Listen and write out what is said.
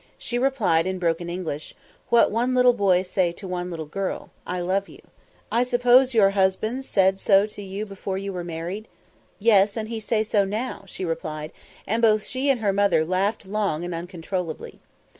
She replied in broken English, "What one little boy say to one little girl: I love you." "I suppose your husband said so to you before you were married?" "Yes, and he say so now," she replied, and both she and her mother laughed long and uncontrollably.